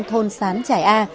thôn sán trải a